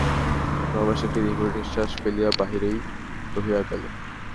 রমেশ একটা দীর্ঘনিশ্বাস ফেলিয়া বাহিরেই রহিয়া গেল।